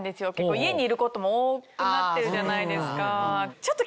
家にいることも多くなってるじゃないですか。